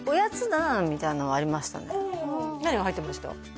でも何が入ってました？